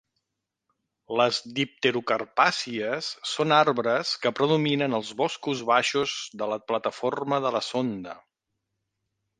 Les dipterocarpàcies són arbres que predominen als boscos baixos de la plataforma de la Sonda.